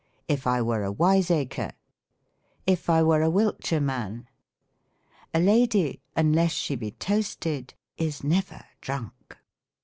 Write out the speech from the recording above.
'' If I were a wiseacre." " If I toere a Wilt shire man." "A lady, unless she be toasted, is never drunk."